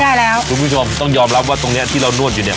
ได้แล้วคุณผู้ชมต้องยอมรับว่าตรงเนี้ยที่เรานวดอยู่เนี่ย